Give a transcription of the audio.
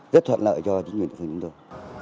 rất thuận lợi cho chính quyền địa phương chúng tôi